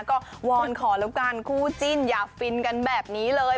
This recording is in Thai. ก็วอนขอแล้วกันคู่จิ้นอย่าฟินกันแบบนี้เลย